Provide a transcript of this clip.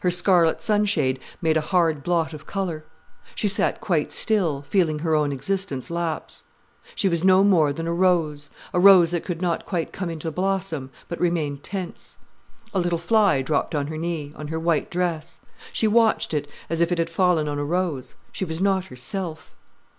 Her scarlet sunshade made a hard blot of colour. She sat quite still, feeling her own existence lapse. She was no more than a rose, a rose that could not quite come into blossom, but remained tense. A little fly dropped on her knee, on her white dress. She watched it, as if it had fallen on a rose. She was not herself.